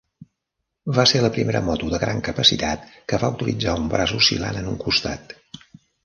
Va ser la primera moto de gran capacitat que va utilitzar un braç oscil·lant en un costat.